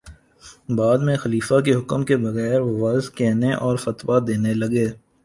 بعد میں خلیفہ کے حکم کے بغیر وعظ کہنے اور فتویٰ دینے لگے